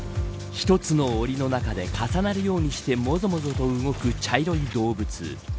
１つのおりの中で重なるようにしてもぞもぞと動く茶色い動物。